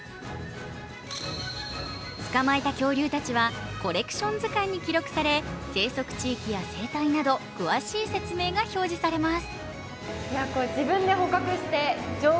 捕まえた恐竜たちはコレクション図鑑に記録され、生息地域や生態など、詳しい説明が表示されます。